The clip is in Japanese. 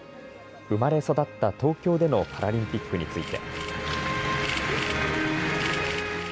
生まれ育った東京でのパラリンピックについて。